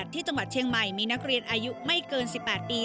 ที่จังหวัดเชียงใหม่มีนักเรียนอายุไม่เกิน๑๘ปี